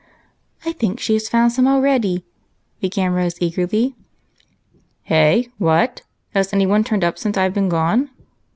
" I think she has found some already," began Rose eagerly. " Hey ? what ? has any one turned up since I 've been gone?"